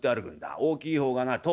大きい方がな１０。